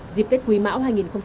dịp tết quý mão hai nghìn hai mươi ba